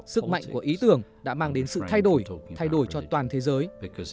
sức mạnh của ý tưởng đã mang đến sự thay đổi thay đổi cho toàn thế giới